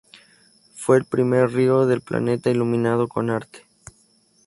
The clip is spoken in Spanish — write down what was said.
Fue el primer río del planeta iluminado con arte.